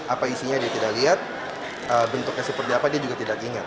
apa isinya dia tidak lihat bentuknya seperti apa dia juga tidak ingat